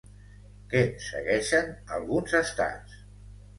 Què segueixen alguns estats?